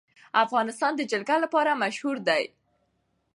افغانستان د جلګه لپاره مشهور دی.